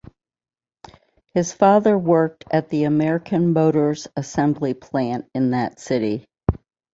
His father worked at the American Motors assembly plant in that city.